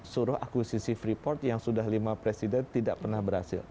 suruh akuisisi freeport yang sudah lima presiden tidak pernah berhasil